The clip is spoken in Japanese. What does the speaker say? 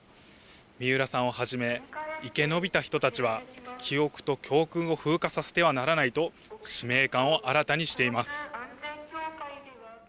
三浦さんをはじめ、生き延びた人たちは、記憶と教訓を風化させてはならないと使命感を新たにしています。